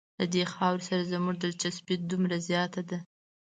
له دې خاورې سره زموږ دلچسپي دومره زیاته ده.